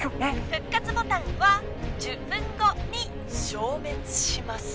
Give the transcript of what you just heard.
復活ボタンは１０分後に消滅します。